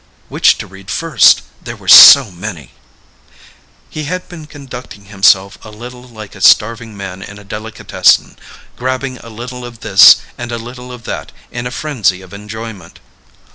Which to read first ... there were so many. He had been conducting himself a little like a starving man in a delicatessen grabbing a little of this and a little of that in a frenzy of enjoyment.